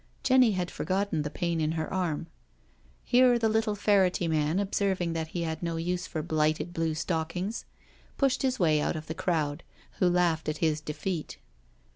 Jenny had forgotten the pain in her arm. Here the little ferrety man, observing that he had no use for blighted blue stockings, pushed his way out of the crowd, who laughed at his defeat.